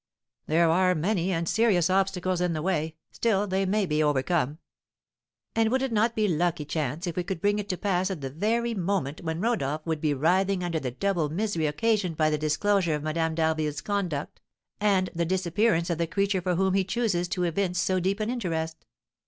"There are many, and serious obstacles in the way; still, they may be overcome." "And would it not be a lucky chance if we should bring it to pass at the very moment when Rodolph would be writhing under the double misery occasioned by the disclosure of Madame d'Harville's conduct, and the disappearance of the creature for whom he chooses to evince so deep an interest?